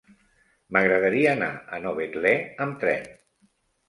M'agradaria anar a Novetlè amb tren.